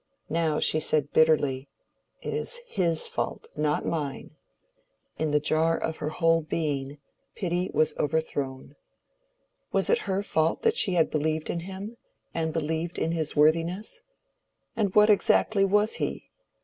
Now she said bitterly, "It is his fault, not mine." In the jar of her whole being, Pity was overthrown. Was it her fault that she had believed in him—had believed in his worthiness?—And what, exactly, was he?